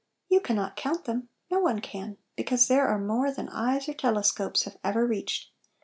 You can not count them; no one can, because there are more than eyes or telescopes have ever reached.